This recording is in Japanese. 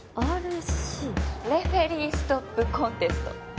ＲＳＣ？レフェリーストップコンテスト。